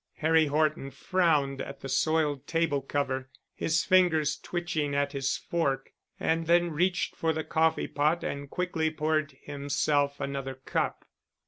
Harry Horton frowned at the soiled table cover, his fingers twitching at his fork, and then reached for the coffee pot and quickly poured himself another cup.